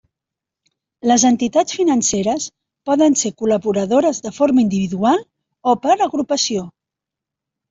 Les entitats financeres poden ser col·laboradores de forma individual o per agrupació.